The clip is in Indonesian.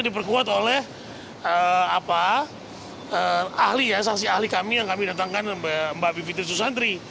diperkuat oleh ahli ya saksi ahli kami yang kami datangkan mbak bivitri susantri